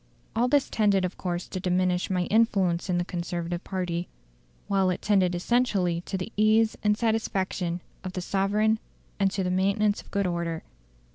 "All this tended of course to diminish my influence in the Conservative party, while it tended essentially to the ease and satisfaction of the sovereign, and to the maintenance of good order.